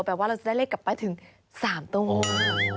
ว่าเราจะได้เลขกลับไปถึง๓ตัว